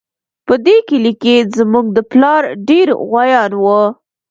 په دې کلي کې زموږ د پلار ډېر غويان وو